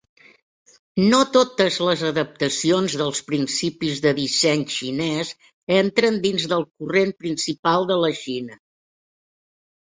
No totes les adaptacions dels principis de disseny xinès entren dins del corrent principal de la Xina.